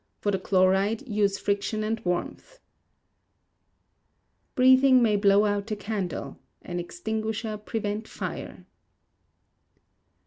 For the chloride, use friction and warmth. [BREATH MAY BLOW OUT A CANDLE, AN EXTINGUISHER PREVENT FIRE.